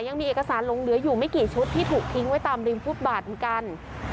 ยังมีเอกสารหลงเหลืออยู่ไม่กี่ชุดที่ถูกทิ้งไว้ตามริมฟุตบาทเหมือนกัน